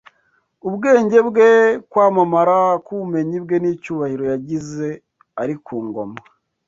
Ubwenge bwe, kwamamara k’ubumenyi bwe n’icyubahiro yagize ari ku ngoma